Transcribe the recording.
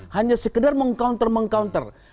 hanya sekedar meng counter meng counter